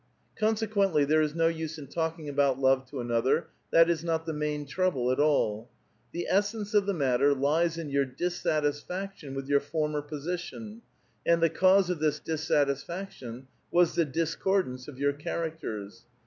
Consequently there is no use in talking about love to another ; that is not the main trouble at all. The essence of the matter lies in your dissatisfaction with your former position, and the cause of this dissatisfaction was the discord ance of your characters.